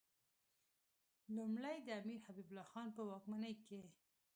لومړی د امیر حبیب الله خان په واکمنۍ کې.